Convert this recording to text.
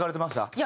いや。